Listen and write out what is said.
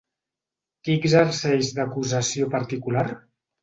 Qui exerceix d'acusació particular?